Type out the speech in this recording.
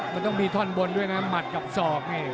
มันต้องมีท่อนบนด้วยนะหมัดกับศอกนี่